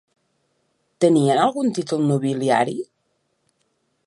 Tenien algun títol nobiliari?